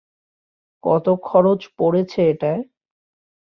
কত খরচ পড়েছে এটায়?